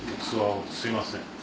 すいません。